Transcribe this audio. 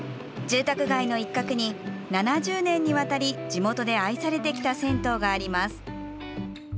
住宅街の一角に、７０年にわたり地元で愛されてきた銭湯があります。